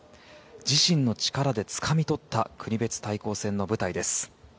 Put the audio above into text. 自身の力でつかみ取った国別対抗戦の舞台です。